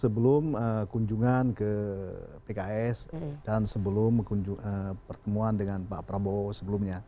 sebelum kunjungan ke pks dan sebelum pertemuan dengan pak prabowo sebelumnya